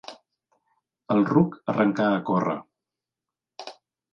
El ruc arrencà a córrer.